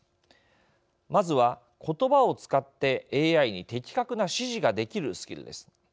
まずは言葉を使ってＡＩに的確な指示ができるスキルです。